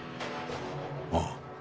ああ。